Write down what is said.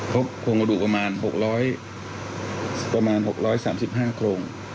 พบควงมดุประมาณ๖๓๕โครง